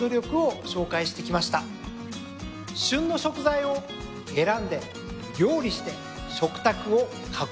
「旬の食材」を選んで料理して食卓を囲む。